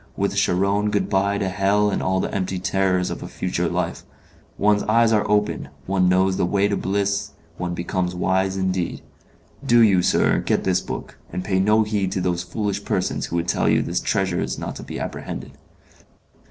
With Charron good bye to hell and all the empty terrors of a future life; one's eyes are opened, one knows the way to bliss, one becomes wise indeed. Do you, sir, get this book, and pay no heed to those foolish persons who would tell you this treasure is not to be approached."